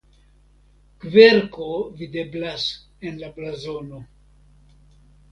Kverko videblas en la blazono.